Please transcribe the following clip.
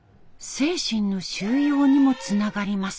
精神の修養にもつながります。